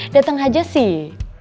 dateng aja sih